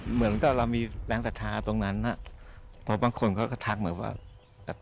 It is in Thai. เหมือนก็เรามีแรงศรัทธาตรงนั้นพวกบางคนก็ทักเหมือนว่า